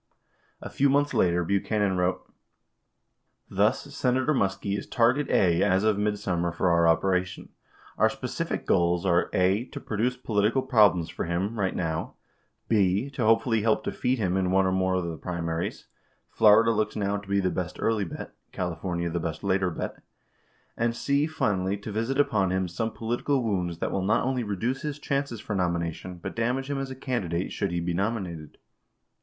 92 A few months later, Buchanan wrote : Thus, Senator Muskie is target A as of midsummer for our operation. Our specific goals are (a) to produce political problems for him, right now, (b) to hopefully help defeat him in one or more the primaries (Florida looks now to be the best early bet, California, the best later bet), and (c) finally, to visit upon him some political wounds that will not only reduce his chances for nomination — but damage him as a candidate, should he be nominated.